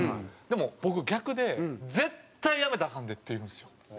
でも僕逆で「絶対辞めたらアカンで」って言うんですよ。